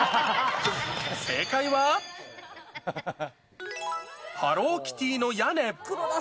正解は、ハローキティの屋根。